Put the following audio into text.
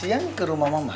tidak ada yang bisa